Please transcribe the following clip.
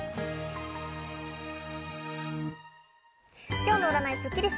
今日の占いスッキリす。